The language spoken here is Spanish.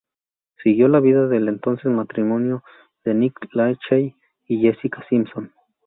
Siguió la vida del entonces matrimonio de Nick Lachey y Jessica Simpson.